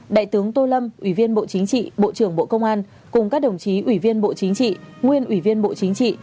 đại tướng tô lâm ủy viên bộ chính trị bộ trưởng bộ công an cùng các đồng chí ủy viên bộ chính trị nguyên ủy viên bộ chính trị